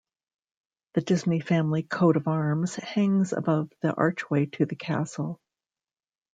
The Disney family coat of arms hangs above the archway to the castle.